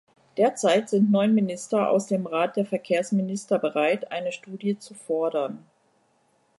Derzeit sind neun Minister aus dem Rat der Verkehrsminister bereit, eine Studie zu fordern.